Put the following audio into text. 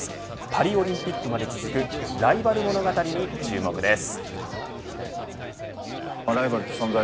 パリオリンピックまで続くライバル物語に注目です。